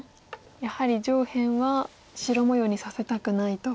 やはり上辺は白模様にさせたくないと。